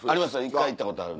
一回行ったことある。